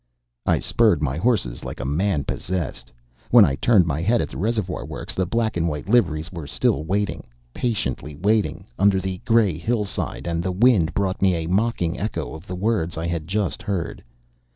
I spurred my horse like a man possessed. When I turned my head at the Reservoir works, the black and white liveries were still waiting patiently waiting under the grey hillside, and the wind brought me a mocking echo of the words I had just heard.